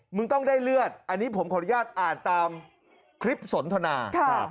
มึงต้องได้เลือดอันนี้ผมขออนุญาตอ่านตามคลิปสนทนา